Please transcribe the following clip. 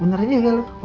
bener aja ya lu